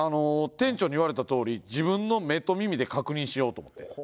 店長に言われたとおり自分の目と耳で確認しようと思って。